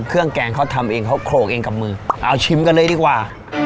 แกงเขาทำเองเขาโขลกเองกับมือเอาชิมกันเลยดีกว่า